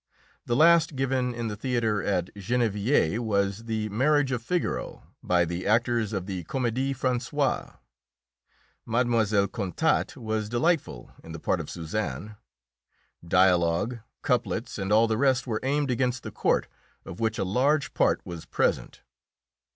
The last given in the theatre at Gennevilliers was "The Marriage of Figaro" by the actors of the Comédie Française. Mlle. Contat was delightful in the part of Suzanne. Dialogue, couplets, and all the rest were aimed against the court, of which a large part was present.